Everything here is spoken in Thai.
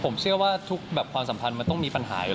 ผมเชื่อว่าทุกแบบความสัมพันธ์มันต้องมีปัญหาอยู่แล้ว